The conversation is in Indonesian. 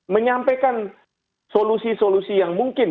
menyampaikan solusi solusi yang mungkin